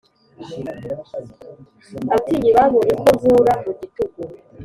Abatinyi babonye ko nkura mu gitugu